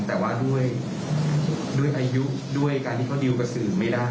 แต่ว่าด้วยอายุด้วยการที่เขาดิวกับสื่อไม่ได้